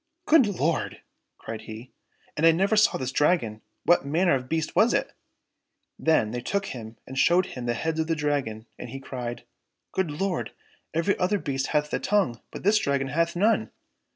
—" Good Lord !" cried he, " and I never saw this Dragon ! What manner of beast was it }"— Then they took him and showed him the heads of the Dragon, and he cried, " Good Lord ! every other beast hath a tongue, but this Dragon hath none